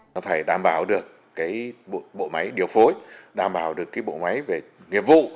nó phải đảm bảo được cái bộ máy điều phối đảm bảo được cái bộ máy về nghiệp vụ